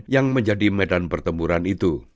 yang menjadi medan pertempuran itu